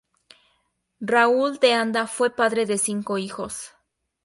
Raúl de Anda fue padre de cinco hijos.